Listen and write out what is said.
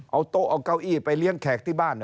เอาโต๊ะเอาเก้าอี้ไปเลี้ยงแขกที่บ้าน